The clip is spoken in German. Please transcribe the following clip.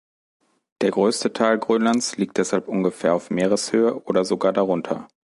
Der größte Teil Grönlands liegt deshalb ungefähr auf Meereshöhe oder sogar darunter.